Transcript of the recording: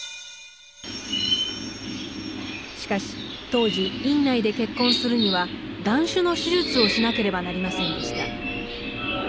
しかし当時院内で結婚するには断種の手術をしなければなりませんでした。